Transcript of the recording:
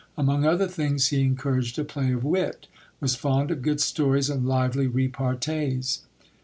Among other things, he encouraged a play of wit ; was fond of good stories and lively repartees.